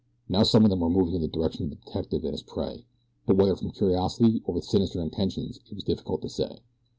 Now some of them were moving in the direction of the detective and his prey, but whether from curiosity or with sinister intentions it is difficult to say.